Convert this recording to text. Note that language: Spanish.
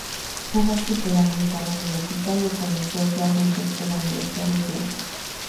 Jugó fútbol americano universitario con los Georgia Bulldogs de la Universidad de Georgia.